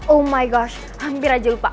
oh my gosh hampir aja lupa